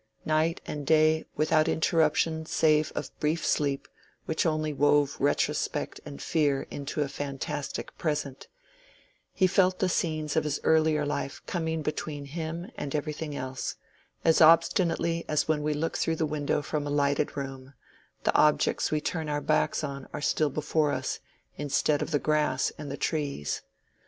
Night and day, without interruption save of brief sleep which only wove retrospect and fear into a fantastic present, he felt the scenes of his earlier life coming between him and everything else, as obstinately as when we look through the window from a lighted room, the objects we turn our backs on are still before us, instead of the grass and the trees.